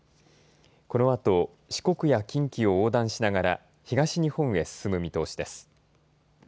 このあと四国や近畿を横断しながら東日本へ進む見通しです。